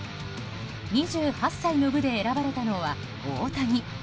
２８歳の部で選ばれたのは大谷。